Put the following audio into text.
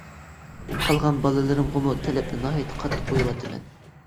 قالغان بالىلىرىمغىمۇ تەلەپنى ناھايىتى قاتتىق قويۇۋاتىمەن.